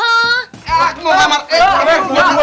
ah gua ga mau ngelamar